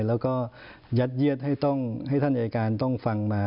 แล้วก็ยัดเยียดให้ท่านอายการต้องฟังมา